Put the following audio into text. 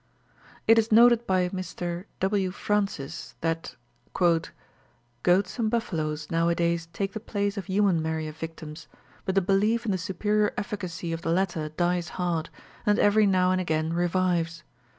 It is noted by Mr W. Francis that "goats and buffaloes nowadays take the place of human meriah victims, but the belief in the superior efficacy of the latter dies hard, and every now and again revives.